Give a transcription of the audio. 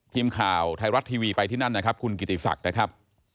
ทีมข่าวไทยรัฐทีวีไปที่นั่นนะครับคุณกิติศักดิ์นะครับ